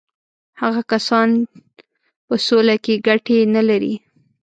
هغه کسان په سوله کې ګټې نه لري.